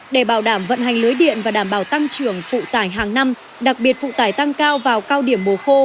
để bảo đảm vận hành lưới điện và đảm bảo tăng trưởng phụ tải hàng năm đặc biệt phụ tải tăng cao vào cao điểm mùa khô